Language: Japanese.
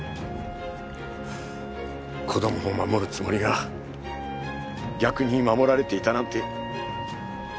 子供を守るつもりが逆に守られていたなんて。